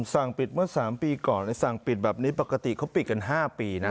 สั่งปิดเมื่อ๓ปีก่อนสั่งปิดแบบนี้ปกติเขาปิดกัน๕ปีนะ